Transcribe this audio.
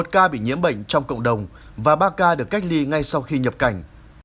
một ca bị nhiễm bệnh trong cộng đồng và ba ca được cách ly ngay sau khi nhập cảnh